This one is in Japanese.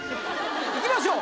いきましょう。